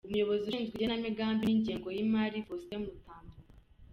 -Umuyobozi ushinzwe igenamigambi n’ingengo y’imari, Faustin Mutambuka.